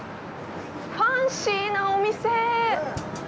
ファンシーなお店。